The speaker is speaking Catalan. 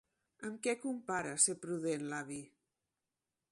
Amb què compara ser prudent l'avi?